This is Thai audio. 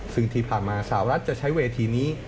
ซึ่งที่ผ่านมาสาวรัฐจะใช้เวทีนี้